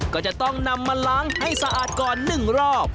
ก็จะต้องนำมาล้างให้สะอาดก่อน๑รอบ